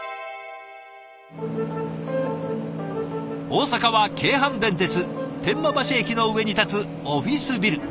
大阪は京阪電鉄天満橋駅の上に建つオフィスビル。